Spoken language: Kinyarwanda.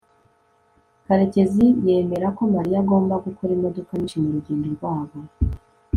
karekezi yemera ko mariya agomba gukora imodoka nyinshi murugendo rwabo